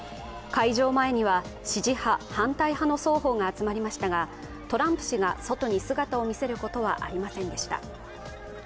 開場前には支持派、反対派の双方が集まりましたが、トランプ氏が外に姿を見せることはありませんでした。